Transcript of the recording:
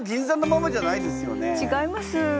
違います。